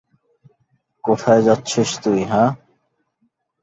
কোথায় যাচ্ছিস তুই, হাহ?